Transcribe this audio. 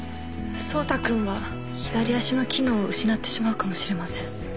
走太君は左足の機能を失ってしまうかもしれません